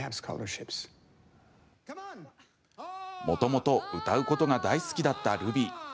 もともと歌うことが大好きだったルビー。